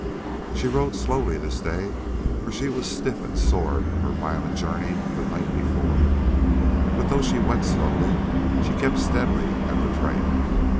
She rode slowly, this day, for she was stiff and sore from the violent journey of the night before, but though she went slowly, she kept steadily at the trail.